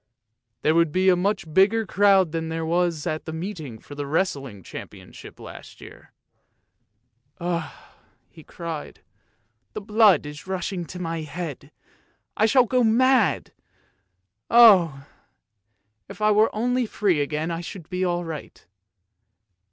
There would be a much bigger crowd than there was at the meeting for the wrestling championship last year. " Ugh! " he cried, " the blood is rushing to my head; I shall go mad. Oh! if I were only free again I should be all right."